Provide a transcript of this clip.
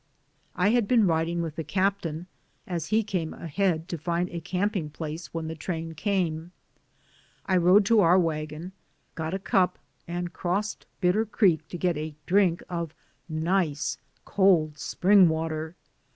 I had been riding with the captain as he came ahead to find a camping place when the train came. I rode to our wagon, got a cup and crossed Bitter Creek to get a drink of nice, cold spring water.